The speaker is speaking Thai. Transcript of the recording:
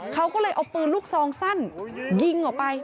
เขาก็เลยเอาปืนลูกซองสั้นยิงออกไป